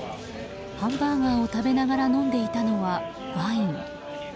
ハンバーガーを食べながら飲んでいたのはワイン。